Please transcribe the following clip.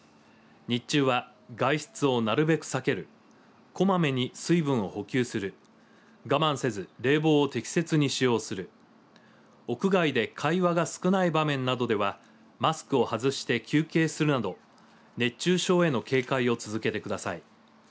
日中は外出をなるべく避ける、こまめに水分を補給する、我慢せず冷房を適切に使用する、屋外で会話が少ない場面などではマスクを外して休憩するなど熱中症への警戒を続けてください。